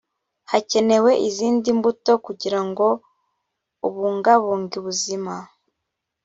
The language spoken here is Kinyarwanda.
hakenewe izindi mbuto kugira ngo ubungabunge ubuzima